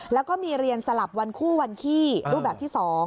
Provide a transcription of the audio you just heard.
แล้วก็มีเรียนสลับวันคู่วันขี้รูปแบบที่๒